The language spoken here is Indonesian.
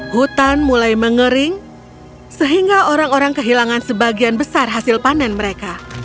hutan mulai mengering sehingga orang orang kehilangan sebagian besar hasil panen mereka